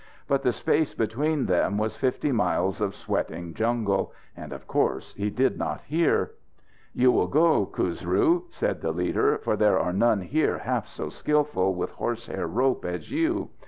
But the space between them was fifty miles of sweating jungle, and of course he did not hear. "You will go, Khusru," said the leader, "for there are none here half so skilful with horsehair rope as you.